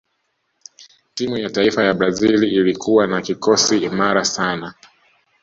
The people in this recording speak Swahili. timu ya taifa ya brazil ilikuwa na kikosi imara sana